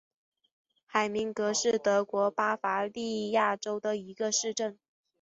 海明格是德国巴伐利亚州的一个市镇。